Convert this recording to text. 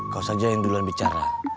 kau saja yang duluan bicara